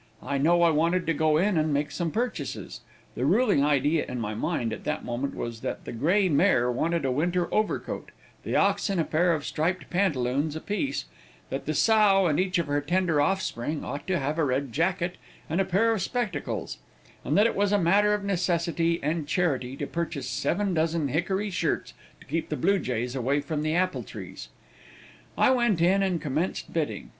I know I wanted to go in and make some purchases. The ruling idea in my mind, at that moment, was, that the grey mare wanted a winter overcoat, the oxen a pair of striped pantaloons apiece, that the sow, and each of her tender offspring, ought to have a red jacket and a pair of spectacles, and that it was a matter of necessity and charity to purchase seven dozen hickory shirts to keep the blue jays away from the apple trees. I went in, and commenced bidding.